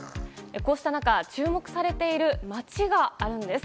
こうした中、注目されている街があるんです。